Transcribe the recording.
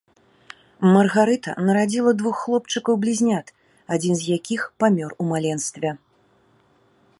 Маргарыта нарадзіла двух хлопчыкаў блізнят, адзін з якіх памёр у маленстве.